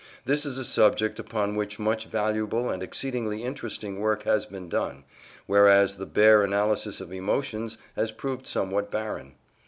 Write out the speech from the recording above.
This is a subject upon which much valuable and exceedingly interesting work has been done, whereas the bare analysis of emotions has proved somewhat barren.